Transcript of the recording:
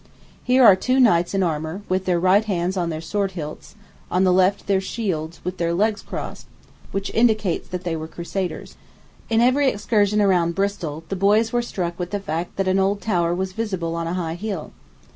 Here are two knights in armor, with their right hands on their sword hilts, on the left their shields, with their legs crossed, which indicates that they were crusaders. In every excursion around Bristol, the boys were struck with the fact that an old tower was visible on a high hill.